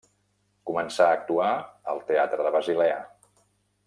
Començà a actuar al Teatre de Basilea.